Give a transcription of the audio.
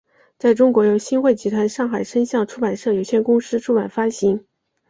在中国由新汇集团上海声像出版社有限公司出版发行。